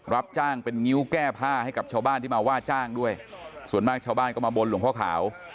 รับจ้างเป็นงิ้วแก้ผ้าให้กับชาวบ้านที่มาว่าจ้างด้วยส่วนมากชาวบ้านก็มาบนหลวงพ่อขาว